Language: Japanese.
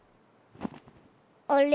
あれ？